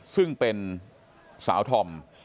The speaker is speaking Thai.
ซึ่งเป็นสาวธอม